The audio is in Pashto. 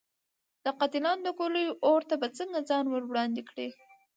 د قاتلانو د ګولیو اور ته به څنګه ځان ور وړاندې کړي.